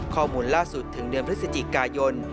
ข้อมูลล่าสุดถึงเดือนพฤศจิกายน